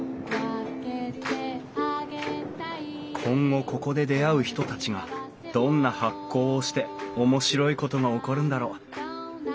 今後ここで出会う人たちがどんな発酵をして面白いことが起こるんだろう？